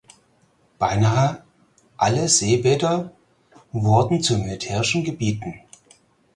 Beinahe alle Seebäder wurden zu militärischen Gebieten.